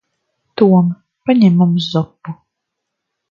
Tom. Paņem mums zupu.